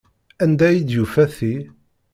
Anda ay d-yufa ti?